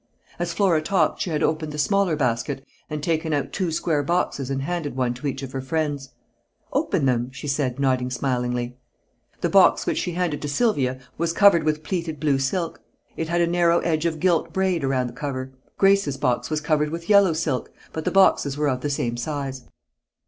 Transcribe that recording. As Flora talked she had opened the smaller basket and taken out two square boxes and handed one to each of her friends. "Open them," she said, nodding smilingly. The box which she handed to Sylvia was covered with plaited blue silk. It had a narrow edge of gilt braid around the cover. Grace's box was covered with yellow silk, but the boxes were of the same size.